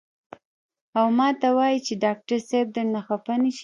او ماته وائي چې ډاکټر صېب درنه خفه نشي " ـ